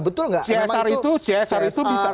bumn itu csr itu bisa